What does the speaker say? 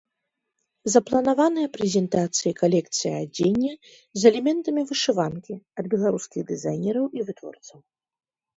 Запланаваныя прэзентацыі калекцыі адзення з элементамі вышыванкі ад беларускіх дызайнераў і вытворцаў.